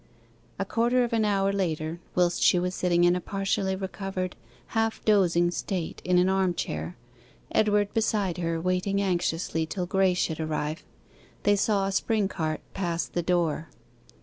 A quarter of an hour later, whilst she was sitting in a partially recovered, half dozing state in an arm chair, Edward beside her waiting anxiously till Graye should arrive, they saw a spring cart pass the door.